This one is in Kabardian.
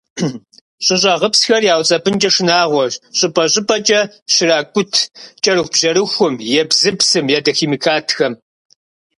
ЩӀыщӀагъыпсхэр яуцӀэпӀынкӀэ шынагъуэщ щӀыпӀэ-щӀыпӀэкӀэ щракӀут кӀэрыхубжьэрыхум, ебзыпсым, ядохимикатхэм.